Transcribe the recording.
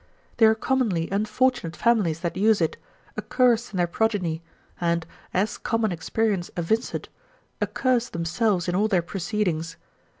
They are commonly unfortunate families that use it, accursed in their progeny, and, as common experience evinceth, accursed themselves in all their proceedings.